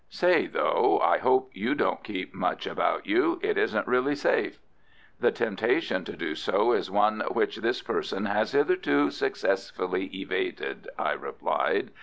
Say, though, I hope you don't keep much about you; it isn't really safe." "The temptation to do so is one which this person has hitherto successfully evaded," I replied.